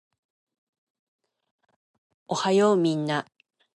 おはようみんな